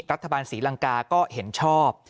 รัฐบาลศรีลังกาก็เห็นชอบ